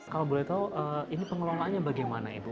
kalau boleh tahu ini pengelolaannya bagaimana ibu